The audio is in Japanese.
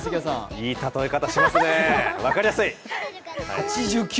いいたとえ方しますね、分かりやすい。